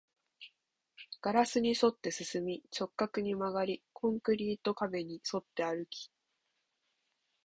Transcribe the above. ガラスに沿って進み、直角に曲がり、コンクリート壁に沿って歩き